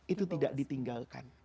itu tidak ditinggalkan